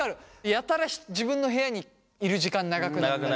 やたら自分の部屋にいる時間長くなったり。